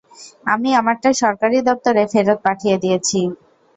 আমি আমারটা সরকারি দপ্তরে ফেরত পাঠিয়ে দিয়েছি।